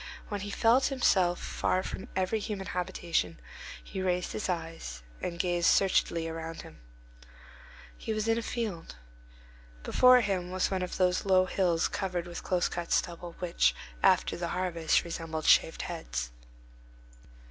When he felt himself far from every human habitation, he raised his eyes and gazed searchingly about him. He was in a field. Before him was one of those low hills covered with close cut stubble, which, after the harvest, resemble shaved heads.